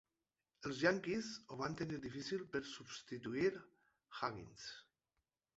Els Yankees ho van tenir difícil per substituir Huggins.